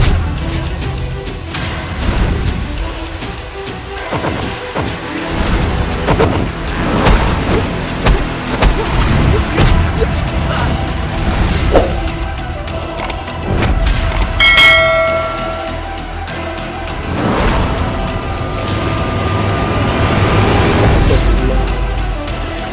aku mencari mati dia